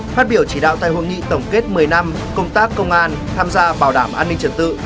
phát biểu chỉ đạo tại hội nghị tổng kết một mươi năm công tác công an tham gia bảo đảm an ninh trật tự